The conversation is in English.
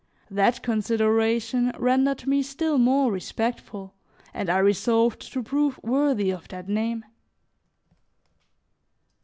That consideration rendered me still more respectful and I resolved to prove worthy of that name.